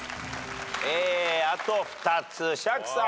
あと２つ釈さん。